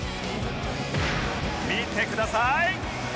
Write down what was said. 見てください！